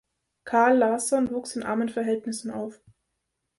Carl Larsson wuchs in armen Verhältnissen auf.